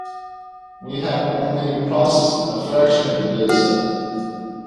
We have only processed a fraction of the dataset.